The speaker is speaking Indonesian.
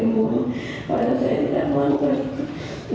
pembunuh padahal saya tidak mau berhenti